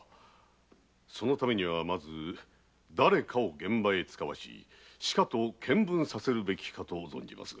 そのためにはまずだれかを現場へ遣わししかと検分させるべきかと存じますが。